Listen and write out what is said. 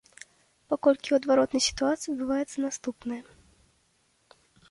Паколькі ў адваротнай сітуацыі адбываецца наступнае.